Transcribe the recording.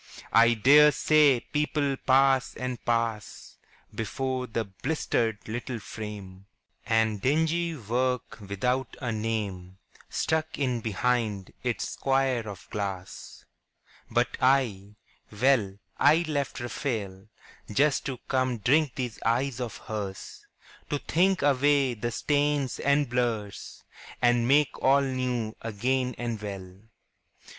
I dare say people pass and pass Before the blistered little frame, And dingy work without a name Stuck in behind its square of glass. But I, well, I left Raphael Just to come drink these eyes of hers, To think away the stains and blurs And make all new again and well.